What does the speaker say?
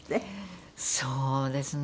そうですね。